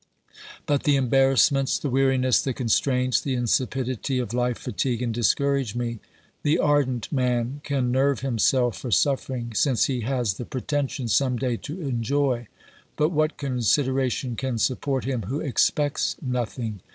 But the embarrassments, the weariness, the constraints, the insipidity of life fatigue and discourage me. The ardent man can nerve himself for suffering, since he has the pre tension some day to enjoy, but what consideration can support him who expects nothing